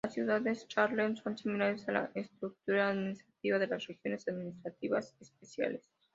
Las ciudades chárter son similares a la estructura administrativa de las regiones administrativas especiales.